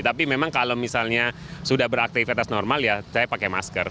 tapi memang kalau misalnya sudah beraktivitas normal ya saya pakai masker